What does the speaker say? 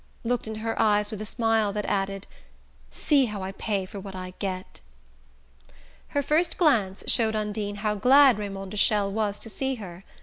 looked into her eyes with a smile that added: "See how I pay for what I get!" Her first glance showed Undine how glad Raymond de Chelles was to see her.